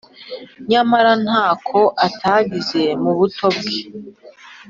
nyamara ntako atagize mu buto bwe